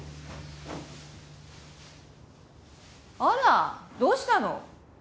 あらどうしたの？